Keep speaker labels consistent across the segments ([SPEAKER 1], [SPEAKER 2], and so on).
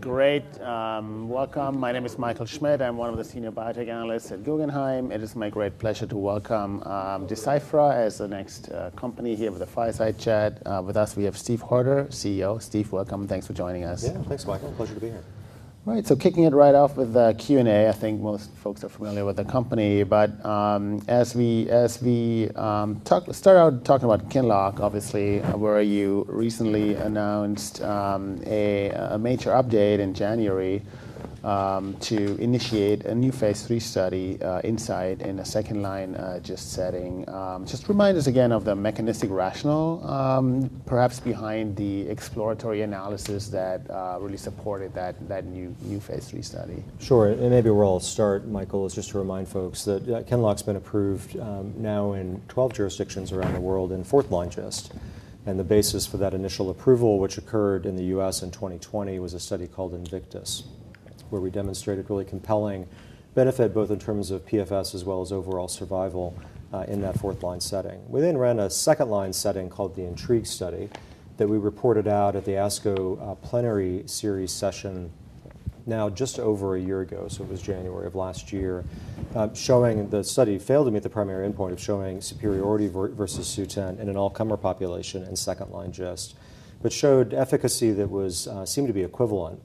[SPEAKER 1] Great. Welcome. My name is Michael Schmidt. I'm one of the senior biotech analysts at Guggenheim. It is my great pleasure to welcome Deciphera as the next company here with the Fireside Chat. With us, we have Steve Hoerter, CEO. Steve, welcome. Thanks for joining us.
[SPEAKER 2] Yeah. Thanks, Michael. Pleasure to be here.
[SPEAKER 1] Right. Kicking it right off with a Q&A. I think most folks are familiar with the company. As we start out talking about QINLOCK, obviously, where you recently announced a major update in January to initiate a new phase III study, INSIGHT, in a second-line GIST setting. Just remind us again of the mechanistic rationale perhaps behind the exploratory analysis that really supported that new phase III study.
[SPEAKER 2] Sure. Maybe where I'll start, Michael, is just to remind folks that QINLOCK's been approved now in 12 jurisdictions around the world in fourth-line GIST. The basis for that initial approval, which occurred in the U.S. in 2020, was a study called INVICTUS, where we demonstrated really compelling benefit, both in terms of PFS as well as overall survival in that fourth-line setting. We ran a second-line setting called the INTRIGUE study that we reported out at the ASCO Plenary Series session now just over 1 year ago, so it was January of last year, showing the study failed to meet the primary endpoint of showing superiority versus SUTENT in an all-comer population in second-line GIST, but showed efficacy that was seemed to be equivalent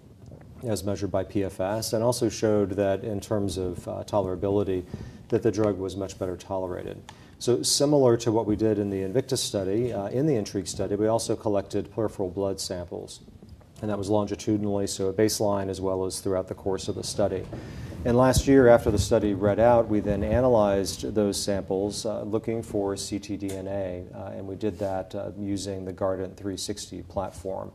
[SPEAKER 2] as measured by PFS, and also showed that in terms of tolerability, that the drug was much better tolerated. Similar to what we did in the INVICTUS study, in the INTRIGUE study, we also collected peripheral blood samples, and that was longitudinally, so baseline as well as throughout the course of the study. Last year, after the study read out, we then analyzed those samples, looking for ctDNA, and we did that using the Guardant360 platform.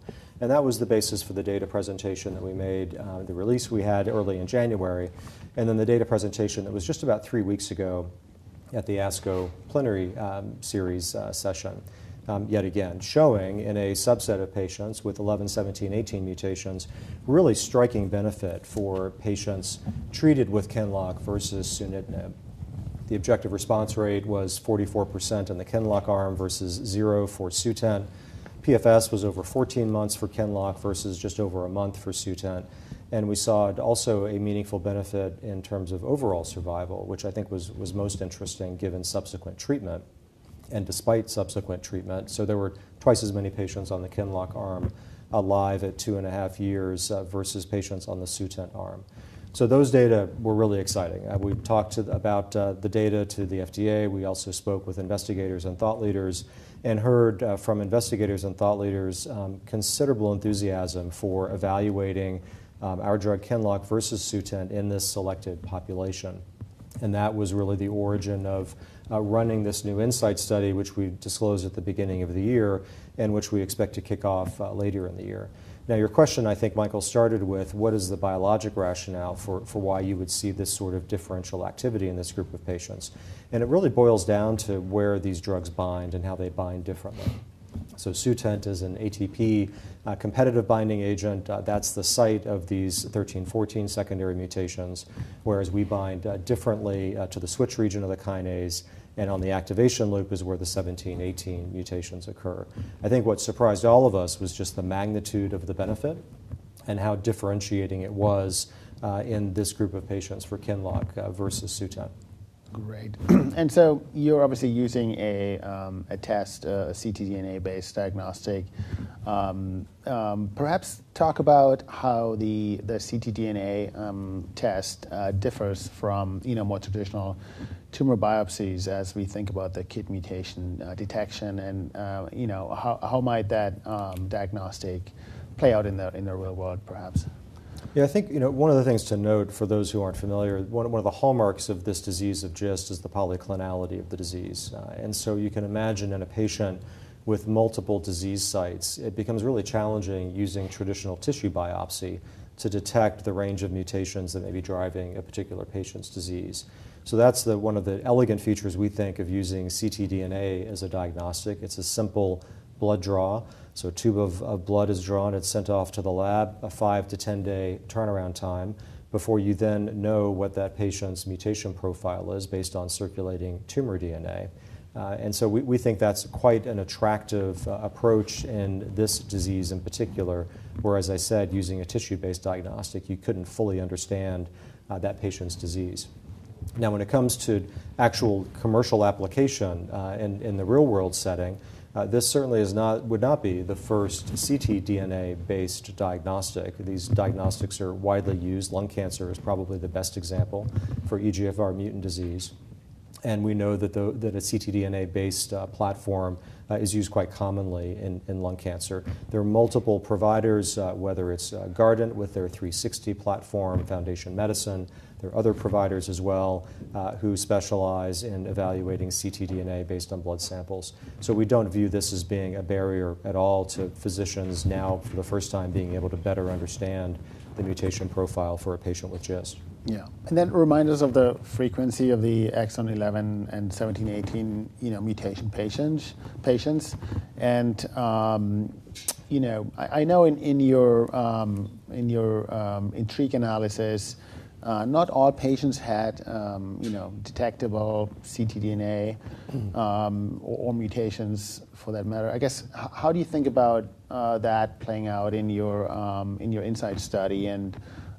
[SPEAKER 2] That was the basis for the data presentation that we made, the release we had early in January, then the data presentation that was just about three weeks ago at the ASCO Plenary Series session, yet again showing in a subset of patients with 11, 17, 18 mutations, really striking benefit for patients treated with QINLOCK versus sunitinib. The objective response rate was 44% in the QINLOCK arm versus zero for SUTENT. PFS was over 14 months for QINLOCK versus just over a month for SUTENT. We saw also a meaningful benefit in terms of overall survival, which I think was most interesting given subsequent treatment and despite subsequent treatment. There were twice as many patients on the QINLOCK arm alive at two and half years versus patients on the SUTENT arm. Those data were really exciting. We've talked about the data to the FDA. We also spoke with investigators and thought leaders and heard from investigators and thought leaders, considerable enthusiasm for evaluating our drug QINLOCK versus SUTENT in this selected population. That was really the origin of running this new INSIGHT study, which we disclosed at the beginning of the year and which we expect to kick off later in the year. Your question, I think, Michael, started with what is the biologic rationale for why you would see this sort of differential activity in this group of patients? It really boils down to where these drugs bind and how they bind differently. SUTENT is an ATP competitive binding agent. That's the site of these 13, 14 secondary mutations, whereas we bind differently to the switch region of the kinase, and on the activation loop is where the 17, 18 mutations occur. I think what surprised all of us was just the magnitude of the benefit and how differentiating it was in this group of patients for QINLOCK versus SUTENT.
[SPEAKER 1] Great. You're obviously using a test, a ctDNA-based diagnostic. Perhaps talk about how the ctDNA test differs from, you know, more traditional tumor biopsies as we think about the KIT mutation detection and, you know, how might that diagnostic play out in the real world, perhaps?
[SPEAKER 2] Yeah. I think, you know, one of the things to note, for those who aren't familiar, one of the hallmarks of this disease of GIST is the polyclonality of the disease. You can imagine in a patient with multiple disease sites, it becomes really challenging using traditional tissue biopsy to detect the range of mutations that may be driving a particular patient's disease. One of the elegant features, we think, of using ctDNA as a diagnostic. It's a simple blood draw. A tube of blood is drawn and sent off to the lab, a 5- to 10-day turnaround time before you then know what that patient's mutation profile is based on circulating tumor DNA. We think that's quite an attractive approach in this disease in particular, where, as I said, using a tissue-based diagnostic, you couldn't fully understand that patient's disease. Now, when it comes to actual commercial application, in the real-world setting, this certainly would not be the first ctDNA-based diagnostic. These diagnostics are widely used. Lung cancer is probably the best example for EGFR mutant disease, we know that a ctDNA-based platform is used quite commonly in lung cancer. There are multiple providers, whether it's Guardant Health with their Guardant360 platform, Foundation Medicine. There are other providers as well, who specialize in evaluating ctDNA based on blood samples. We don't view this as being a barrier at all to physicians now for the first time being able to better understand the mutation profile for a patient with GIST.
[SPEAKER 1] Yeah. Then remind us of the frequency of the exon 11 and 17, 18, you know, mutation patients. You know, I know in your INTRIGUE analysis, not all patients had, you know, detectable ctDNA.
[SPEAKER 2] Mm-hmm...
[SPEAKER 1] or mutations. For that matter. I guess how do you think about that playing out in your INSIGHT study and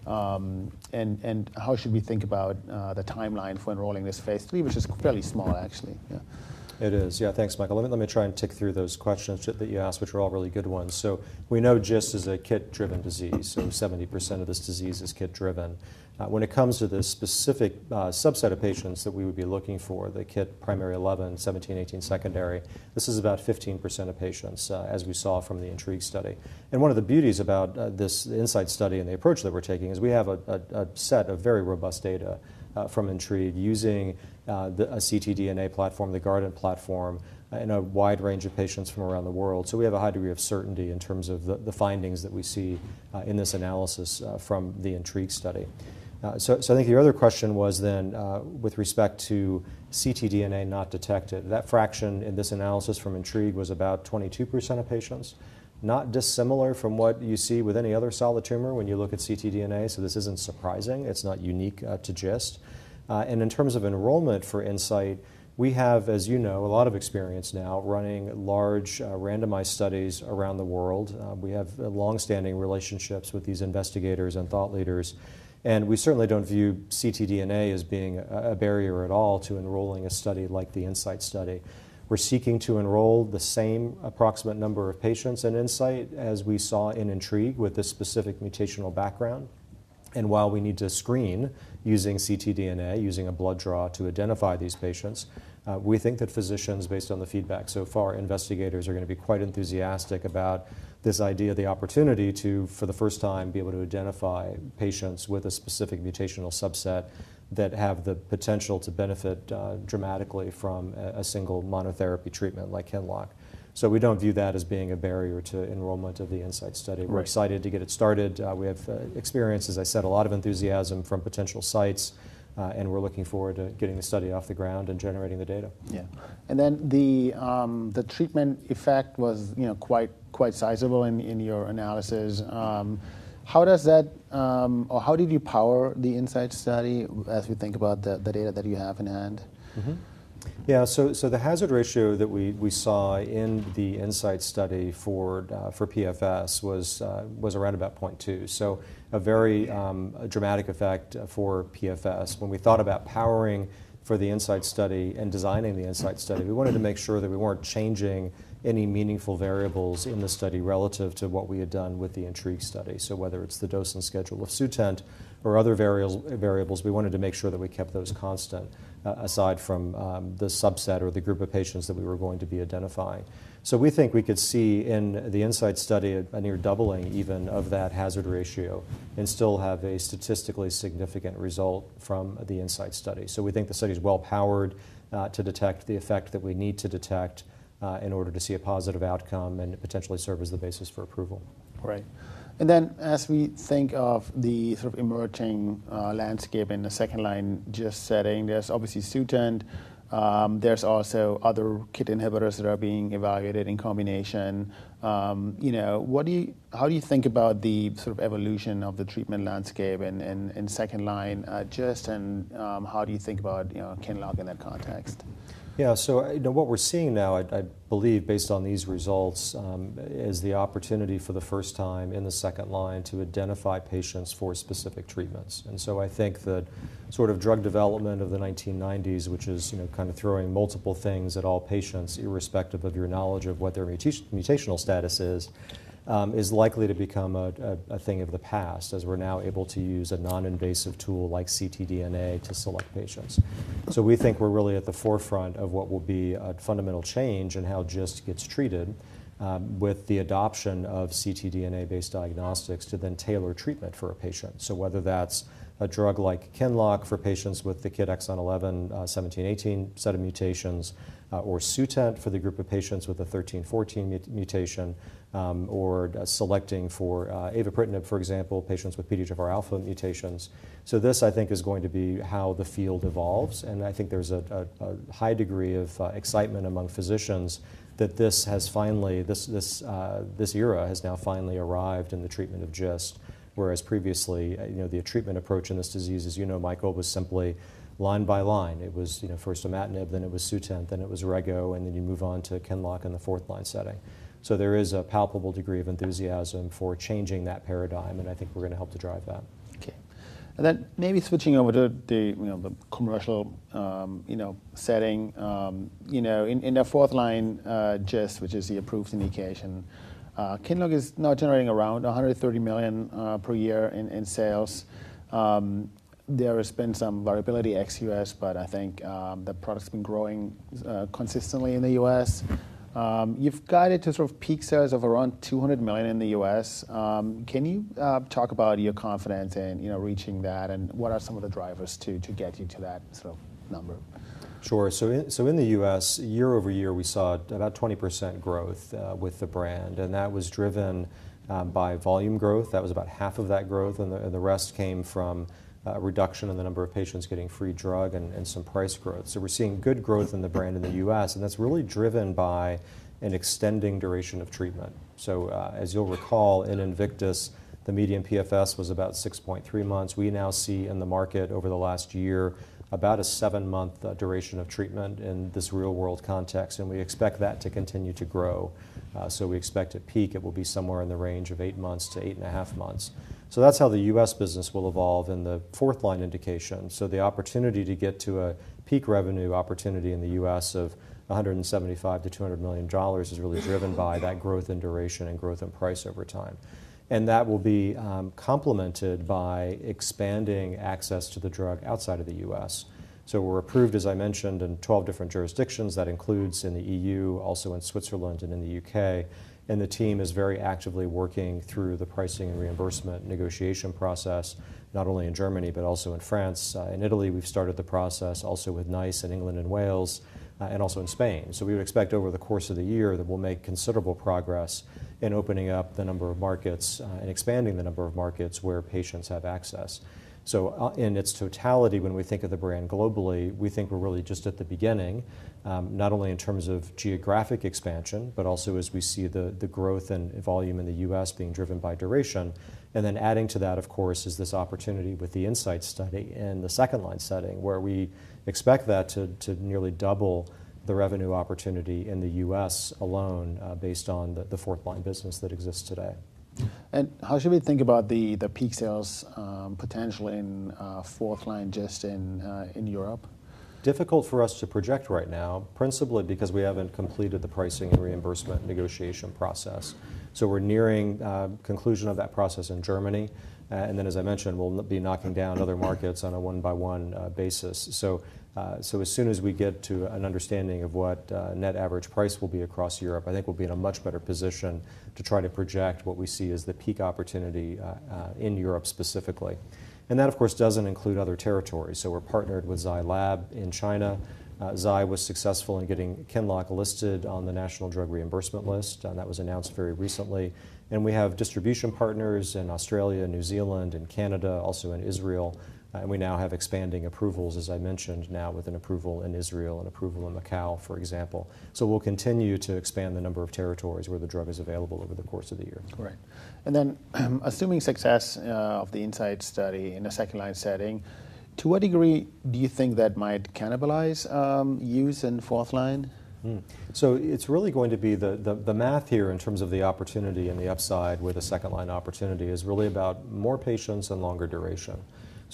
[SPEAKER 1] how should we think about the timeline for enrolling this phase III, which is fairly small actually? Yeah.
[SPEAKER 2] It is. Yeah. Thanks, Michael. Let me try and tick through those questions that you asked, which are all really good ones. We know GIST is a KIT-driven disease, so 70% of this disease is KIT-driven. When it comes to the specific subset of patients that we would be looking for, the KIT primary 11, 17/18 secondary, this is about 15% of patients, as we saw from the INTRIGUE study. One of the beauties about this, the INSIGHT study and the approach that we're taking is we have a set of very robust data from INTRIGUE using the ctDNA platform, the Guardant platform, in a wide range of patients from around the world. We have a high degree of certainty in terms of the findings that we see in this analysis from the INTRIGUE study. I think your other question was then with respect to ctDNA not detected. That fraction in this analysis from INTRIGUE was about 22% of patients, not dissimilar from what you see with any other solid tumor when you look at ctDNA, so this isn't surprising. It's not unique to GIST. In terms of enrollment for INSIGHT, we have, as you know, a lot of experience now running large randomized studies around the world. We have longstanding relationships with these investigators and thought leaders. We certainly don't view ctDNA as being a barrier at all to enrolling a study like the INSIGHT study. We're seeking to enroll the same approximate number of patients in INSIGHT as we saw in INTRIGUE with this specific mutational background. While we need to screen using ctDNA, using a blood draw to identify these patients, we think that physicians, based on the feedback so far, investigators are gonna be quite enthusiastic about this idea, the opportunity to, for the first time, be able to identify patients with a specific mutational subset that have the potential to benefit dramatically from a single monotherapy treatment like QINLOCK. We don't view that as being a barrier to enrollment of the INSIGHT study.
[SPEAKER 1] Right.
[SPEAKER 2] We're excited to get it started. We have experience, as I said, a lot of enthusiasm from potential sites, and we're looking forward to getting the study off the ground and generating the data.
[SPEAKER 1] Yeah. The treatment effect was, you know, quite sizable in your analysis. How does that, or how did you power the INSIGHT study as we think about the data that you have in hand?
[SPEAKER 2] The hazard ratio that we saw in the INSIGHT study for PFS was around about 0.2, a very dramatic effect for PFS. When we thought about powering for the INSIGHT study and designing the INSIGHT study, we wanted to make sure that we weren't changing any meaningful variables in the study relative to what we had done with the INTRIGUE study. Whether it's the dose and schedule of SUTENT or other variables, we wanted to make sure that we kept those constant, aside from the subset or the group of patients that we were going to be identifying. We think we could see in the INSIGHT study a near doubling even of that hazard ratio and still have a statistically significant result from the INSIGHT study. We think the study's well-powered to detect the effect that we need to detect in order to see a positive outcome and potentially serve as the basis for approval.
[SPEAKER 1] Right. As we think of the sort of emerging landscape in the second-line GIST setting, there's obviously SUTENT, there's also other KIT inhibitors that are being evaluated in combination. You know, how do you think about the sort of evolution of the treatment landscape in, in second-line GIST, and how do you think about, you know, QINLOCK in that context?
[SPEAKER 2] Yeah. Now, what we're seeing now I believe, based on these results, is the opportunity for the first time in the second line to identify patients for specific treatments. I think the sort of drug development of the 1990s, which is, you know, kind of throwing multiple things at all patients irrespective of your knowledge of what their mutational status is likely to become a thing of the past as we're now able to use a non-invasive tool like ctDNA to select patients. We think we're really at the forefront of what will be a fundamental change in how GIST gets treated, with the adoption of ctDNA-based diagnostics to then tailor treatment for a patient. Whether that's a drug like QINLOCK for patients with the KIT exon 11, 17/80 set of mutations, or SUTENT for the group of patients with the 13/14 mutation, or selecting for avapritinib, for example, patients with PDGFRα mutations. This I think is going to be how the field evolves, and I think there's a high degree of excitement among physicians that this has finally, this era has now finally arrived in the treatment of GIST, whereas previously, you know, the treatment approach in this disease, as you know, Michael, was simply line by line. It was, you know, first imatinib, then it was SUTENT, then it was Rego, and then you move on to QINLOCK in the fourth-line setting. There is a palpable degree of enthusiasm for changing that paradigm, and I think we're gonna help to drive that.
[SPEAKER 1] Then maybe switching over to the, you know, the commercial, you know, setting, you know, in the fourth line GIST, which is the approved indication, QINLOCK is now generating around $130 million per year in sales. There has been some variability ex-U.S., but I think the product's been growing consistently in the U.S. You've guided to sort of peak sales of around $200 million in the U.S. Can you talk about your confidence in, you know, reaching that, and what are some of the drivers to get you to that sort of number?
[SPEAKER 2] Sure. In the U.S., year-over-year, we saw about 20% growth with the brand, and that was driven by volume growth. That was about half of that growth, and the rest came from a reduction in the number of patients getting free drug and some price growth. We're seeing good growth in the brand in the U.S. and that's really driven by an extending duration of treatment. As you'll recall, in INVICTUS, the median PFS was about 6.3 months. We now see in the market over the last year about a seven month duration of treatment in this real-world context, and we expect that to continue to grow. We expect at peak it will be somewhere in the range of eight months to eight and half months. That's how the U.S. business will evolve in the fourth-line indication. The opportunity to get to a peak revenue opportunity in the U.S. of $175 million-$200 million is really driven by that growth in duration and growth in price over time. That will be complemented by expanding access to the drug outside of the U.S. We're approved, as I mentioned, in 12 different jurisdictions. That includes in the EU, also in Switzerland, and in the U.K. The team is very actively working through the pricing and reimbursement negotiation process, not only in Germany, but also in France. In Italy, we've started the process also with NICE in England and Wales, and also in Spain. We would expect over the course of the year that we'll make considerable progress in opening up the number of markets and expanding the number of markets where patients have access. In its totality, when we think of the brand globally, we think we're really just at the beginning, not only in terms of geographic expansion, but also as we see the growth and volume in the U.S. being driven by duration. Adding to that, of course, is this opportunity with the INSIGHT study in the second-line setting, where we expect that to nearly double the revenue opportunity in the U.S. alone, based on the fourth-line business that exists today.
[SPEAKER 1] How should we think about the peak sales potential in fourth-line GIST in Europe?
[SPEAKER 2] Difficult for us to project right now, principally because we haven't completed the pricing and reimbursement negotiation process. We're nearing conclusion of that process in Germany, and then as I mentioned, we'll be knocking down other markets on a one-by-one basis. As soon as we get to an understanding of what net average price will be across Europe, I think we'll be in a much better position to try to project what we see as the peak opportunity in Europe specifically. That, of course, doesn't include other territories. We're partnered with Zai Lab in China. Zai was successful in getting QINLOCK listed on the National Reimbursement Drug List, and that was announced very recently. We have distribution partners in Australia, New Zealand, and Canada, also in Israel. We now have expanding approvals, as I mentioned, now with an approval in Israel, an approval in Macau, for example. We'll continue to expand the number of territories where the drug is available over the course of the year.
[SPEAKER 1] Great. Assuming success of the INSIGHT study in a second-line setting, to what degree do you think that might cannibalize use in fourth line?
[SPEAKER 2] It's really going to be the math here in terms of the opportunity and the upside with a second-line opportunity is really about more patients and longer duration.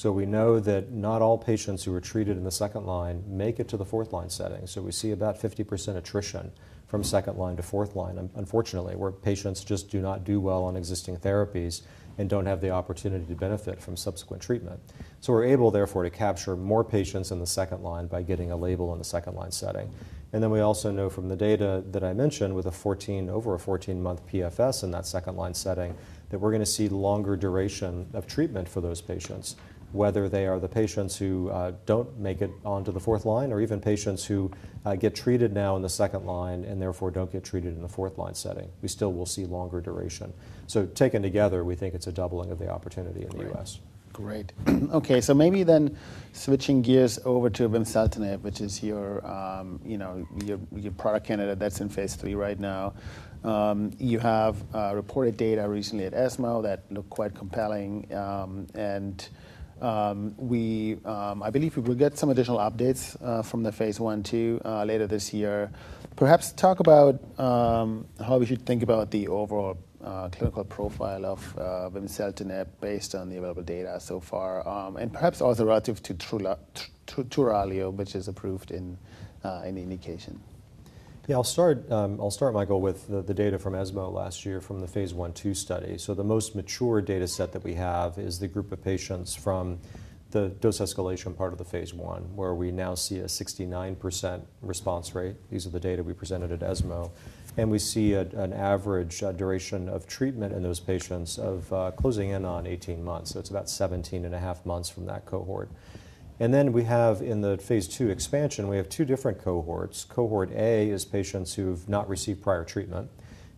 [SPEAKER 2] We know that not all patients who are treated in the second line make it to the fourth-line setting. We see about 50% attrition from second line to fourth line unfortunately, where patients just do not do well on existing therapies and don't have the opportunity to benefit from subsequent treatment. We're able, therefore, to capture more patients in the second line by getting a label in the second-line setting. We also know from the data that I mentioned with a 14, over a 14-month PFS in that second-line setting that we're gonna see longer duration of treatment for those patients, whether they are the patients who don't make it onto the fourth line or even patients who get treated now in the second line and therefore don't get treated in the fourth-line setting. We still will see longer duration. Taken together, we think it's a doubling of the opportunity in the U.S.
[SPEAKER 1] Great. Great. Maybe then switching gears over to vimseltinib, which is your, you know, your product candidate that's in phase III right now. You have reported data recently at ESMO that looked quite compelling. We, I believe we will get some additional updates from the phase I, II, later this year. Perhaps talk about how we should think about the overall clinical profile of vimseltinib based on the available data so far, and perhaps also relative to Turalio, which is approved in indication.
[SPEAKER 2] Yeah, I'll start, Michael, with the data from ESMO last year from the phase I, II study. The most mature data set that we have is the group of patients from the dose escalation part of the phase I, where we now see a 69% response rate. These are the data we presented at ESMO. We see an average duration of treatment in those patients of closing in on 18 months, so it's about seventeen and a half months from that cohort. Then we have in the phase II expansion, we have two different cohorts. Cohort A is patients who've not received prior treatment,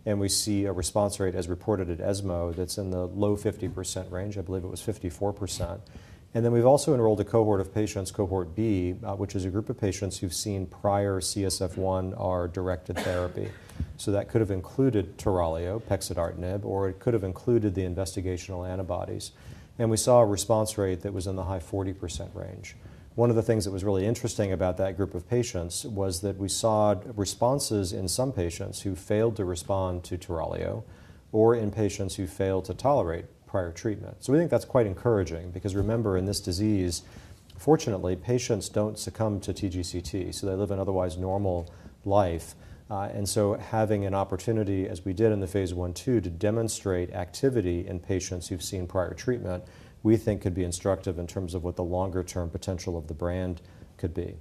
[SPEAKER 2] and we see a response rate as reported at ESMO that's in the low 50% range. I believe it was 54%. We've also enrolled a cohort of patients, cohort B, which is a group of patients who've seen prior CSF1R-directed therapy. That could have included Turalio, pexidartinib, or it could have included the investigational antibodies. We saw a response rate that was in the high 40% range. One of the things that was really interesting about that group of patients was that we saw responses in some patients who failed to respond to Turalio or in patients who failed to tolerate prior treatment. We think that's quite encouraging because remember, in this disease. Fortunately, patients don't succumb to TGCT, so they live an otherwise normal life. Having an opportunity, as we did in the phase I, II, to demonstrate activity in patients who've seen prior treatment, we think could be instructive in terms of what the longer-term potential of the brand could be.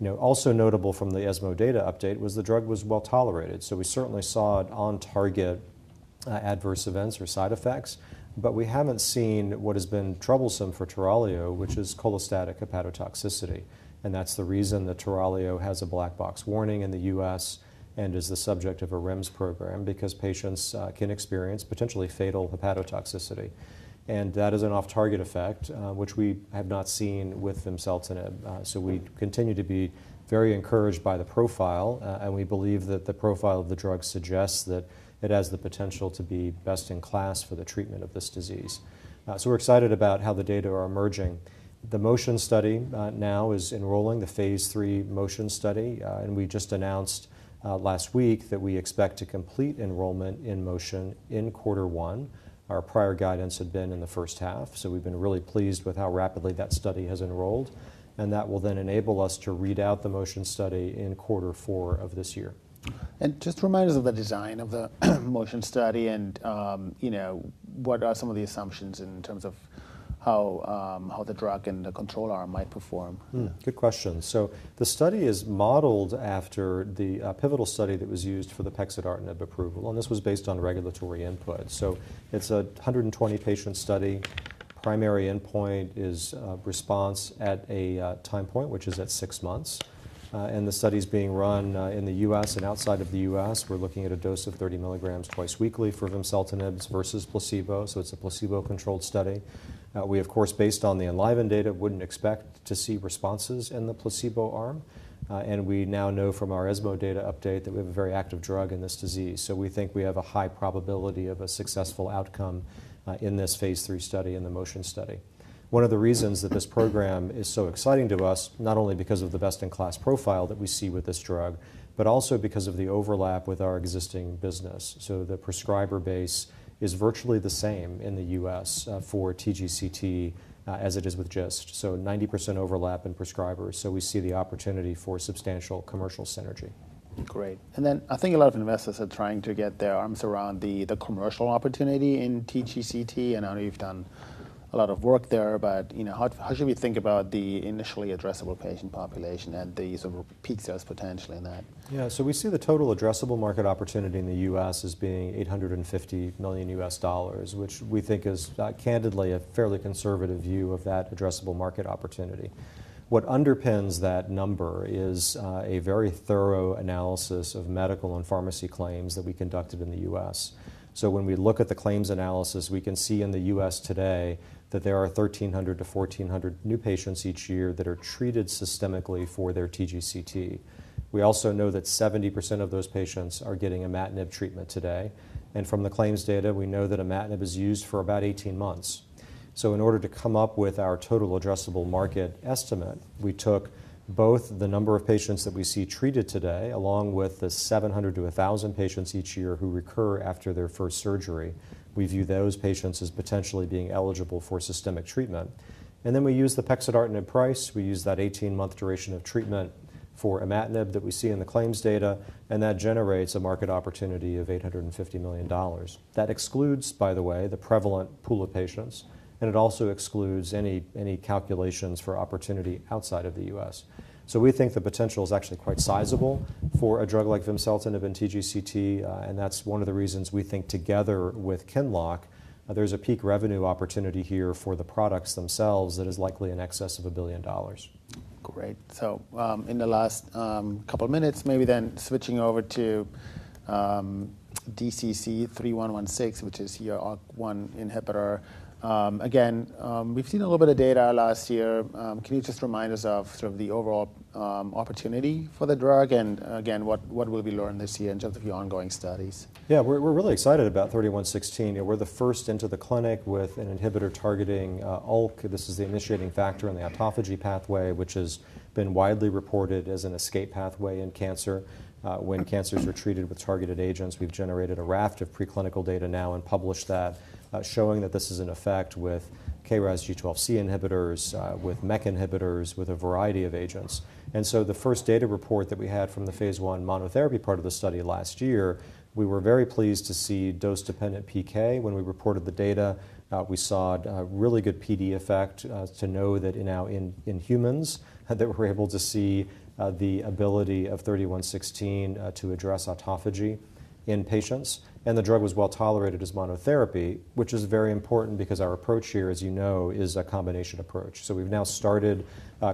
[SPEAKER 2] You know, also notable from the ESMO data update was the drug was well-tolerated. We certainly saw on-target adverse events or side effects. We haven't seen what has been troublesome for Turalio, which is cholestatic hepatotoxicity, and that's the reason that Turalio has a black box warning in the U.S. and is the subject of a REMS program because patients can experience potentially fatal hepatotoxicity. That is an off-target effect, which we have not seen with vimseltinib. We continue to be very encouraged by the profile, and we believe that the profile of the drug suggests that it has the potential to be best-in-class for the treatment of this disease. We're excited about how the data are emerging. The MOTION Study, now is enrolling, the Phase III MOTION Study, and we just announced, last week that we expect to complete enrollment in MOTION in quarter 1. Our prior guidance had been in the first half, so we've been really pleased with how rapidly that study has enrolled and that will then enable us to read out the MOTION Study in quarter 4 of this year.
[SPEAKER 1] Just remind us of the design of the MOTION Study and, you know, what are some of the assumptions in terms of how the drug and the control arm might perform?
[SPEAKER 2] Good question. The study is modeled after the pivotal study that was used for the pexidartinib approval, and this was based on regulatory input. It's a 120-patient study. Primary endpoint is response at a time point, which is at six months. And the study's being run in the U.S. and outside of the U.S. We're looking at a dose of 30 milligrams twice weekly for vimseltinib versus placebo, so it's a placebo-controlled study. We, of course, based on the ENLIVEN data, wouldn't expect to see responses in the placebo arm. And we now know from our ESMO data update that we have a very active drug in this disease. We think we have a high probability of a successful outcome in this phase III study, in the MOTION Study. One of the reasons that this program is so exciting to us, not only because of the best-in-class profile that we see with this drug, but also because of the overlap with our existing business. The prescriber base is virtually the same in the U.S. for TGCT as it is with GIST, so 90% overlap in prescribers. We see the opportunity for substantial commercial synergy.
[SPEAKER 1] Great. I think a lot of investors are trying to get their arms around the commercial opportunity in TGCT. I know you've done a lot of work there, but, you know, how should we think about the initially addressable patient population and the sort of peak sales potential in that?
[SPEAKER 2] Yeah. We see the total addressable market opportunity in the U.S. as being $850 million, which we think is candidly, a fairly conservative view of that addressable market opportunity. What underpins that number is a very thorough analysis of medical and pharmacy claims that we conducted in the U.S. When we look at the claims analysis, we can see in the U.S. today that there are 1,300-1,400 new patients each year that are treated systemically for their TGCT. We also know that 70% of those patients are getting imatinib treatment today. From the claims data, we know that imatinib is used for about 18 months. In order to come up with our total addressable market estimate, we took both the number of patients that we see treated today, along with the 700-1,000 patients each year who recur after their first surgery. We view those patients as potentially being eligible for systemic treatment. We used the pexidartinib price, we used that 18-month duration of treatment for imatinib that we see in the claims data, and that generates a market opportunity of $850 million. That excludes, by the way, the prevalent pool of patients and it also excludes any calculations for opportunity outside of the U.S. We think the potential is actually quite sizable for a drug like vimseltinib in TGCT, and that's one of the reasons we think together with QINLOCK, there's a peak revenue opportunity here for the products themselves that is likely in excess of $1 billion.
[SPEAKER 1] Great. In the last couple minutes, maybe then switching over to DCC-3116, which is your ULK1/2 inhibitor. Again, we've seen a little bit of data last year. Can you just remind us of sort of the overall opportunity for the drug and again, what will we learn this year in terms of your ongoing studies?
[SPEAKER 2] Yeah. We're really excited about 3116. You know, we're the first into the clinic with an inhibitor targeting ULK. This is the initiating factor in the autophagy pathway, which has been widely reported as an escape pathway in cancer when cancers are treated with targeted agents. We've generated a raft of preclinical data now and published that showing that this is in effect with KRAS G12C inhibitors, with MEK inhibitors, with a variety of agents. The first data report that we had from the phase I monotherapy part of the study last year, we were very pleased to see dose-dependent PK. When we reported the data, we saw a really good PD effect to know that now in humans that we're able to see the ability of 3116 to address autophagy in patients. The drug was well-tolerated as monotherapy, which is very important because our approach here, as you know, is a combination approach. We've now started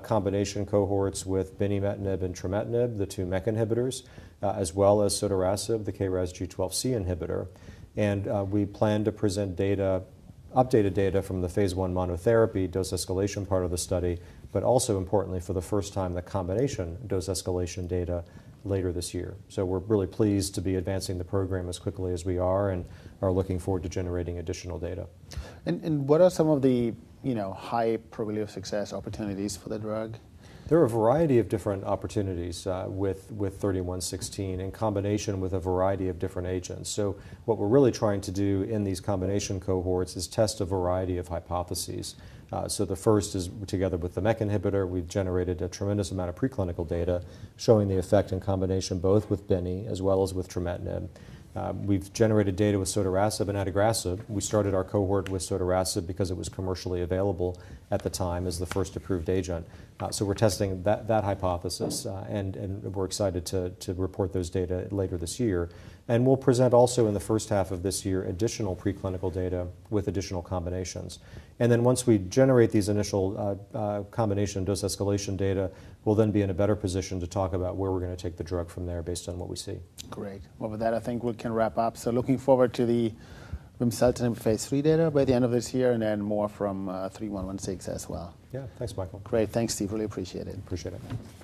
[SPEAKER 2] combination cohorts with binimetinib and trametinib, the two MEK inhibitors, as well as sotorasib, the KRAS G12C inhibitor. We plan to present data, updated data from the phase I monotherapy dose escalation part of the study, but also importantly for the first time, the combination dose escalation data later this year. We're really pleased to be advancing the program as quickly as we are and are looking forward to generating additional data.
[SPEAKER 1] What are some of the, you know, high probability of success opportunities for the drug?
[SPEAKER 2] There are a variety of different opportunities with 3116 in combination with a variety of different agents. What we're really trying to do in these combination cohorts is test a variety of hypotheses. The first is together with the MEK inhibitor, we've generated a tremendous amount of preclinical data showing the effect and combination both with benni as well as with trametinib. We've generated data with sotorasib and adagrasib. We started our cohort with sotorasib because it was commercially available at the time as the first approved agent. We're testing that hypothesis and we're excited to report those data later this year. We'll present also in the first half of this year additional preclinical data with additional combinations. Once we generate these initial combination dose escalation data, we'll then be in a better position to talk about where we're gonna take the drug from there based on what we see.
[SPEAKER 1] Great. Well, with that, I think we can wrap up. Looking forward to the vimseltinib phase III data by the end of this year and then more from 3116 as well.
[SPEAKER 2] Yeah. Thanks, Michael.
[SPEAKER 1] Great. Thanks, Steve. Really appreciate it.
[SPEAKER 2] Appreciate it.